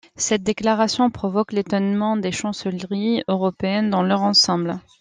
Cette déclaration provoque l'étonnement des chancelleries européennes dans leur ensemble.